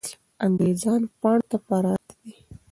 انګریزان پاڼو ته پراته دي.